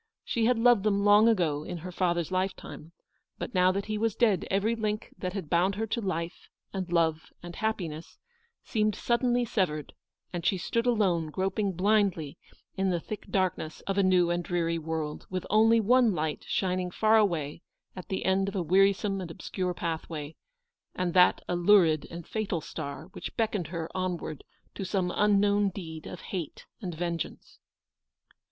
She had loved them long ago, in her father's lifetime ; but now that he was dead, every link that had bound her to life, and love, and happiness, seemed suddenly severed, and she stood alone, groping blindly in the thick darkness of a new and dreary world, with only one light shining far away at the end of a wearisome and obscure pathway; and that a lurid and fatal star, which beckoned her onward to some unknown deed of hate and vengeance.